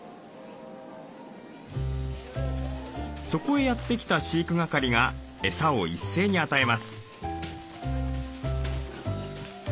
そこへやって来た飼育係がエサを一斉に与えます。